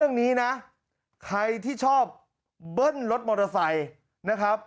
เรื่องนี้นะใครที่ชอบเบิ้ลรถมอเตอร์ไซค์นะครับ